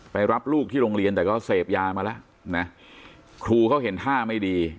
รับลูกที่โรงเรียนแต่ก็เสพยามาแล้วนะครูเขาเห็นท่าไม่ดี